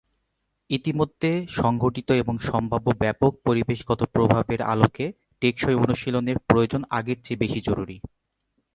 ইতোমধ্যে সংঘটিত এবং সম্ভাব্য ব্যাপক পরিবেশগত প্রভাবের আলোকে টেকসই অনুশীলনের প্রয়োজন আগের চেয়ে বেশি জরুরি।